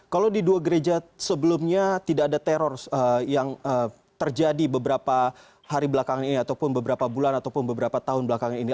kalau di dua gereja sebelumnya tidak ada teror yang terjadi beberapa hari belakangan ini ataupun beberapa bulan ataupun beberapa tahun belakangan ini